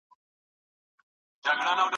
پلار د زوی راتګ ته منتظر و.